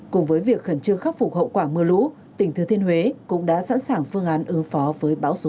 cùng với việc khẩn trương khắc phục hậu quả mưa lũ tỉnh thừa thiên huế cũng đã sẵn sàng phương án ứng phó với bão số năm